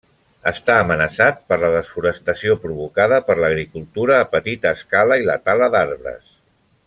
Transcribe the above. Està amenaçat per la desforestació provocada per l'agricultura a petita escala i la tala d'arbres.